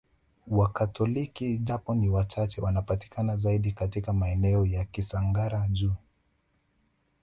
Wakatoliki japo ni wachache wanapatikana zaidi katika maeneo ya Kisangara juu